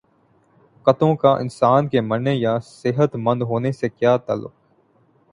کتوں کا انسان کے مرنے یا صحت مند ہونے سے کیا تعلق